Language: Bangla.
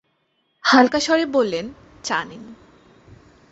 হালকা স্বরে বললেন, চা নিন।